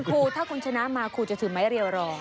ครูถ้าคุณชนะมาครูจะถือไม้เรียวรอ